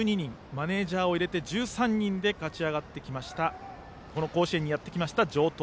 マネージャーを入れて１３人で勝ち上がってきて甲子園にやってきた城東。